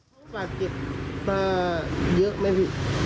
เป็นทะโหลกหรือครับ